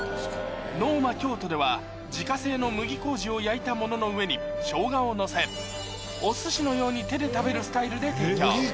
ＮｏｍａＫｙｏｔｏでは自家製の麦麹を焼いたものの上に生姜をのせお寿司のように手で食べるスタイルで提供